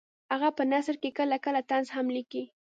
هغه په نثر کې کله کله طنز هم لیکي